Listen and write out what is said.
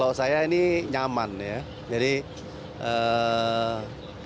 bapak melihat fasilitas di dalam ja connection ini seperti apa